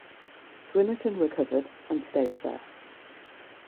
Swinnerton recovered, and stayed there.